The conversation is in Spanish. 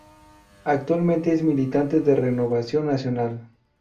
Actualmente es militante de Renovación Nacional.